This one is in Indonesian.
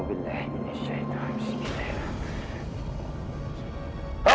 a'ubillah minasyaitan wa bismillah